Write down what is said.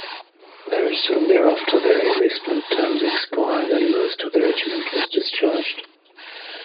Very soon thereafter, their enlistment terms expired, and most of the regiment was discharged.